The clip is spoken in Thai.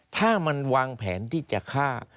ถ้ามันวางแผนที่จะฆ่า